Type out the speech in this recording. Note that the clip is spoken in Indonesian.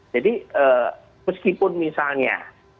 jadi meskipun misalnya